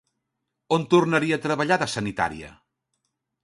On tornaria a treballar de sanitària?